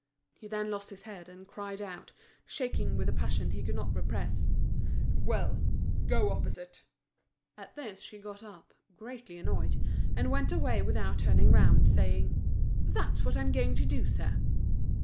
He then lost his head, and cried out, shaking with a passion he could not repress: "Well! go opposite!" At this she got up, greatly annoyed, and went away without turning round, saying: "That's what I am going to do, sir."